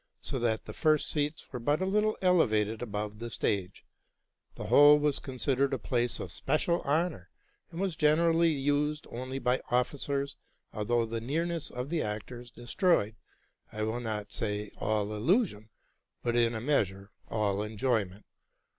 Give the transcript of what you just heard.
so that the first seats were but a little elevated above the stage. The whole was considered a place of special honor, and was generally used only by officers ; although the nearness of the actors destroyed, I will not say all illusion, but, in a 78 TRUTH AND FICTION measure, all enjoyment.